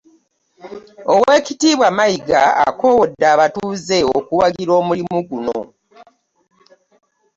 Oweekitiibwa Mayiga akoowodde abatuuze okuwagira omulimu guno.